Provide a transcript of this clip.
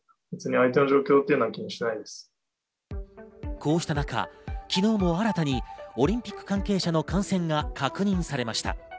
こうした中、昨日も新たにオリンピック関係者の感染が確認されました。